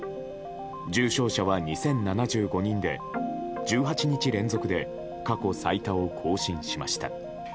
重症者は２０７５人で１８日連続で過去最多を更新しました。